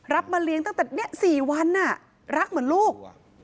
มาเลี้ยงตั้งแต่๔วันรักเหมือนลูก